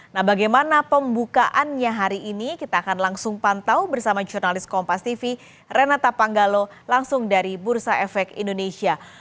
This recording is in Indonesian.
nah bagaimana pembukaannya hari ini kita akan langsung pantau bersama jurnalis kompas tv renata panggalo langsung dari bursa efek indonesia